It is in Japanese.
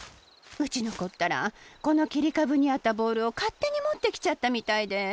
うちのこったらこのきりかぶにあったボールをかってにもってきちゃったみたいで。